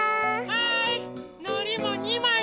はい。